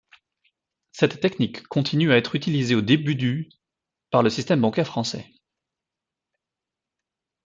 Cette technique continue à être utilisée au début du par le système bancaire français.